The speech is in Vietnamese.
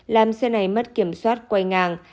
làm xe này mất kiểm soát quay ngang